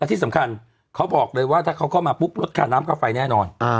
ที่สำคัญเขาบอกเลยว่าถ้าเขาเข้ามาปุ๊บลดค่าน้ำค่าไฟแน่นอน